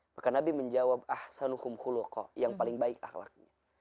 maka nabi menjawab ahsanukum khulukoh yang paling baik ahlaknya